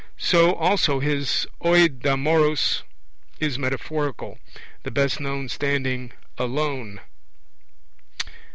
So also his oie d' ammoros is metaphorical, the best known standing 'alone'.